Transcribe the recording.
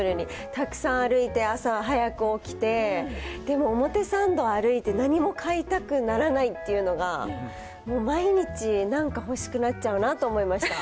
たくさん歩いて、朝早く起きて、でも表参道歩いて何も買いたくならないっていうのが、もう毎日なんか欲しくなっちゃうなと思いました。